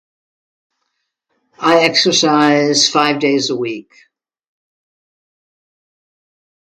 I exercise five days a week.